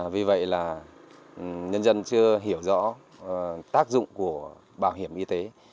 vì vậy là nhân dân chưa hiểu rõ tác dụng của bảo hiểm y tế